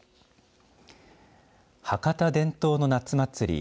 博多伝統の夏祭り